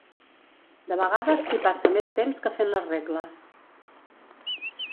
De vegades s'hi passa més temps que fent les regles.